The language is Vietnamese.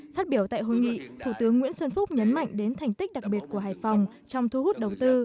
phát biểu tại hội nghị thủ tướng nguyễn xuân phúc nhấn mạnh đến thành tích đặc biệt của hải phòng trong thu hút đầu tư